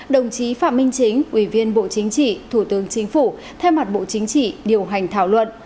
đồng chí phạm minh chính ủy viên bộ chính trị thủ tướng chính phủ thay mặt bộ chính trị điều hành thảo luận